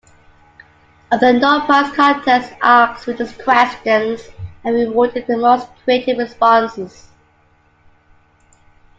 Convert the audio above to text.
Other No-Prize contests asked readers questions and rewarded the most creative responses.